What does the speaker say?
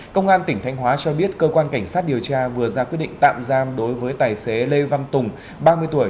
công an tỉnh thanh hóa cho biết cơ quan cảnh sát điều tra vừa ra quyết định tạm giam đối với tài xế lê văn tùng ba mươi tuổi